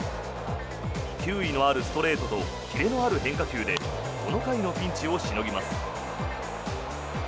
球威のあるストレートとキレのある変化球でこの回のピンチをしのぎます。